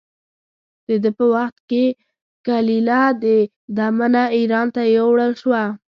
د ده په وخت کې کلیله و دمنه اېران ته یووړل شوه.